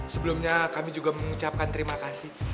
sebelumnya kami juga mengucapkan terima kasih